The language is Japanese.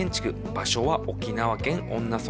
場所は沖縄県恩納村。